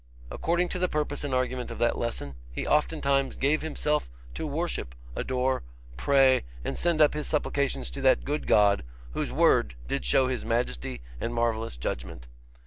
According to the purpose and argument of that lesson, he oftentimes gave himself to worship, adore, pray, and send up his supplications to that good God, whose Word did show his majesty and marvellous judgment.